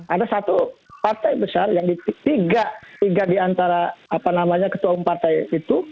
ada satu partai besar yang tiga tiga diantara apa namanya ketua umum partai itu